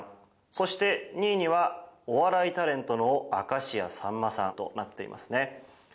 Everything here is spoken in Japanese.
そして２位にはお笑いタレントの明石家さんまさんとなっていますね。